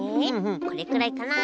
これくらいかな？